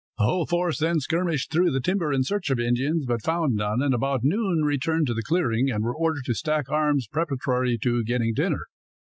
The whole force then skirmished through the timber in search of Indians, but found none, and about noon returned to the clearing and were ordered to stack arms preparatory to getting dinner.